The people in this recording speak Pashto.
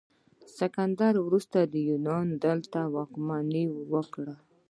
د اسکندر وروسته یونانیانو دلته واکمني وکړه